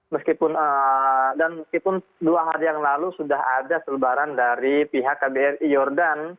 meskipun dan meskipun dua hari yang lalu sudah ada selebaran dari pihak kbri jordan